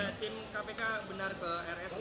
tim kpk benar ke rs untuk melakukan langsung